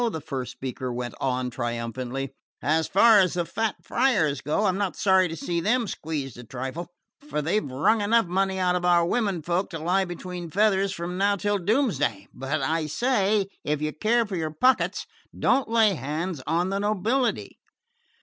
the first speaker went on triumphantly. "As far as the fat friars go, I'm not sorry to see them squeezed a trifle, for they've wrung enough money out of our women folk to lie between feathers from now till doomsday; but I say, if you care for your pockets, don't lay hands on the nobility!"